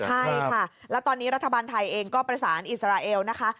ใช่ค่ะแล้วตอนนี้รัฐบาลไทยเองก็ประสานอิสราเอลนะคะ